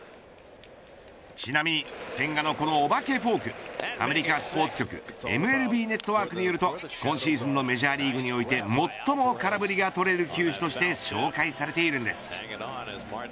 ちなみに千賀のこのお化けフォークアメリカスポーツ局ＭＬＢネットワークによると今シーズンのメジャーリーグにおいて、最も空振りが取れる球種として紹介されているんです。